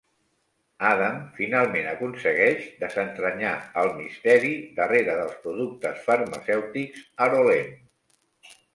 Adam finalment aconsegueix desentranyar el misteri darrere dels productes farmacèutics Arolem.